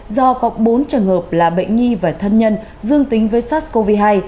do có bốn trường hợp là bệnh nhi và thân nhân dương tính với sars cov hai